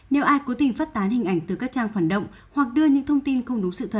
nếu ai cố tình phát tán hình ảnh từ các trang phản động hoặc đưa những thông tin không đúng sự thật